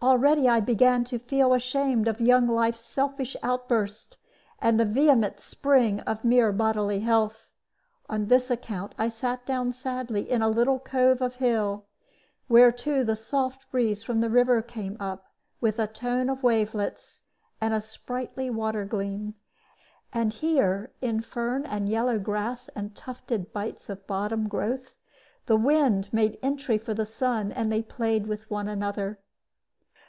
Already I began to feel ashamed of young life's selfish outburst, and the vehement spring of mere bodily health. On this account I sat down sadly in a little cove of hill, whereto the soft breeze from the river came up, with a tone of wavelets, and a sprightly water gleam. And here, in fern and yellow grass and tufted bights of bottom growth, the wind made entry for the sun, and they played with one another.